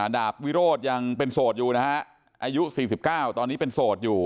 ดาบวิโรธยังเป็นโสดอยู่นะฮะอายุ๔๙ตอนนี้เป็นโสดอยู่